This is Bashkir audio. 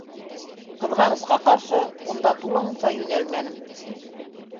Ҡыҙғанысҡа ҡаршы, унда тулыһынса йүнәлмәнем.